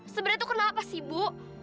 sebenernya tuh kenapa sih bu